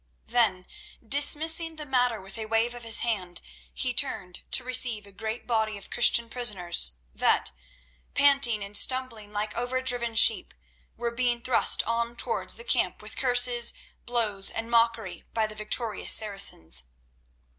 Then dismissing the matter with a wave of his hand, he turned to receive a great body of Christian prisoners that, panting and stumbling like over driven sheep, were being thrust on towards the camp with curses, blows and mockery by the victorious Saracens.